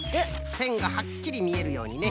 せんがはっきりみえるようにね。